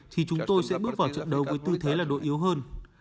thì chúng tôi sẽ bước vào trận đấu với tư thế là đội yếu hơn